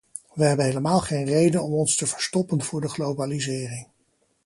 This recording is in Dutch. We hebben helemaal geen reden om ons te verstoppen voor de globalisering.